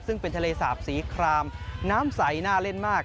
ซึ่งเป็นทะเลสาบสีครามน้ำใสน่าเล่นมาก